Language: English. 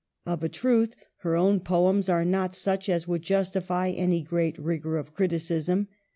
Of a truth, her own poems are not such as would justify any 1 86 EMILY BRONTE. great rigor of criticism.